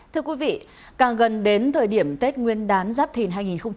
thưa quý vị càng gần đến thời điểm tết nguyên đán giáp thìn hai nghìn hai mươi bốn